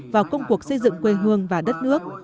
vào công cuộc xây dựng quê hương và đất nước